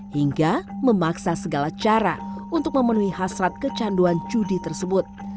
hingga memaksa segala cara untuk memenuhi hasrat kecanduan judi tersebut